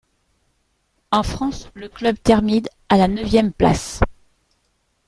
En France, le club termine à la neuvième place.